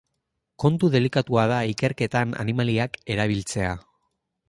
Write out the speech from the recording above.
Kontu delikatua da ikerketetan animaliak erabiltzea.